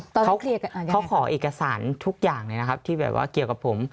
เขาขอเอกสารทุกอย่างเลยนะครับที่แบบว่าเกี่ยวกับผม